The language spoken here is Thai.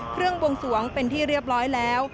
บวงสวงเป็นที่เรียบร้อยแล้ว